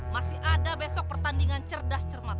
masih ada besok pertandingan cerdas cermat